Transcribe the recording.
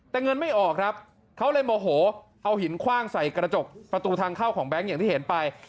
แต่เงินไม่ออกครับเขาเลยโมโหเอาหินคว่างใส่กระจกประตูทางเข้าของแบงค์อย่างที่เห็นไป